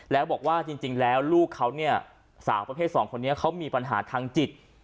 แล้วบอกว่าจริงแล้วลูกเขาเนี่ยสาวประเภทสองคนนี้เขามีปัญหาทางจิต